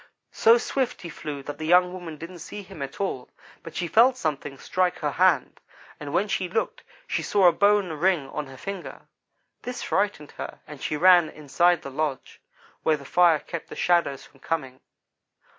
So swift he flew that the young woman didn't see him at all, but she felt something strike her hand, and when she looked she saw a bone ring on her finger. This frightened her, and she ran inside the lodge, where the fire kept the shadows from coming.